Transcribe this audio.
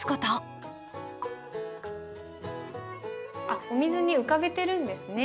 あっお水に浮かべてるんですね。